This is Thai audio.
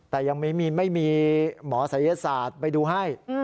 แต่ยังไม่มีหมอศัยศาสตร์ไปดูให้